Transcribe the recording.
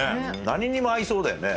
何にも合いそうだよね